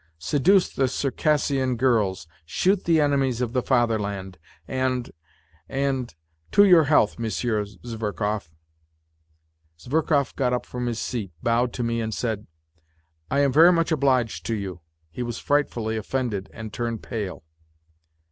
Seduce the Circassian girls, shoot the enemies of the fatherland and ... and ... to your health, Monsieur Zverkov Zverkov got up from his seat, bowed to me and said :" I am very much obliged to you." He was frightfully offended and turned pale.